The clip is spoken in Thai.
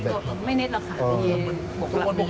ไม่เน็ตหรอกค่ะมีบุกกลับหนึ่ง